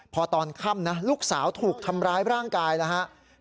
พอตอนค่ำนะลูกสาวถูกทำร้ายร่างกายแล้วครับ